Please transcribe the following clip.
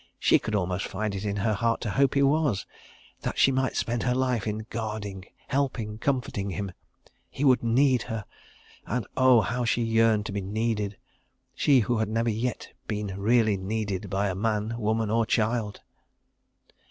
She could almost find it in her heart to hope he was—that she might spend her life in guarding, helping, comforting him. He would need her, and oh, how she yearned to be needed, she who had never yet been really needed by man, woman, or child.